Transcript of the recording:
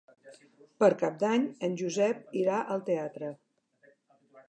Per Cap d'Any en Josep irà al teatre.